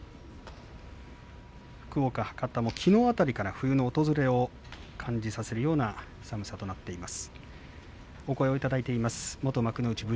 福岡博多もきのう辺りから冬の訪れを感じさせるような寒さとなっています。